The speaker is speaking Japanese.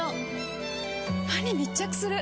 歯に密着する！